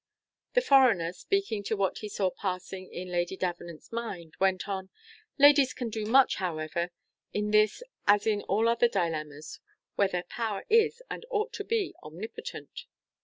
The foreigner, speaking to what he saw passing in Lady Davenant's mind, went on; "Ladies can do much, however, in this as in all other dilemmas where their power is, and ought to be, omnipotent."